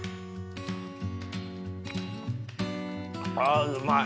あうまい。